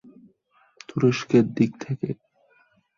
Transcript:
তুরস্কের দিক থেকে।